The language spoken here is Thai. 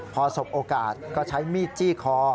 พอสบโอกาสก็ใช้มีดจี้คอ